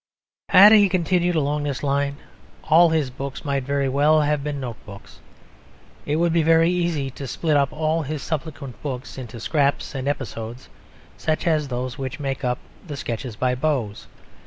Had he continued along this line all his books might very well have been note books. It would be very easy to split up all his subsequent books into scraps and episodes, such as those which make up the Sketches by Boz.